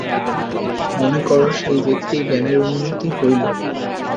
মনে কর, সেই ব্যক্তির জ্ঞানের উন্নতি হইল।